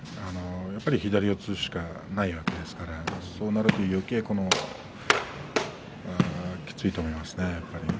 やっぱり左四つしかないわけですからそうなると、よけいきついと思いますね。